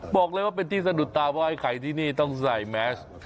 บอกเลยว่าเป็นที่สะดุดตาเพราะไอ้ไข่ที่นี่ต้องใส่แมส